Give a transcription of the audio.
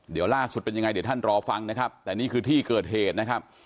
เดี๋ยวล่าสุดเป็นยังไงเดี๋ยวท่านรอฟังนะครับแต่นี่คือที่เกิดเหตุนะครับ